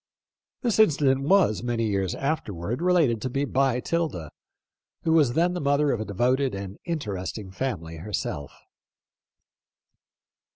This incident was, many years afterward, related to me by 'Tilda, who was then the mother of a devoted and interesting family herself.